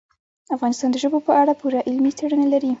افغانستان د ژبو په اړه پوره علمي څېړنې لري.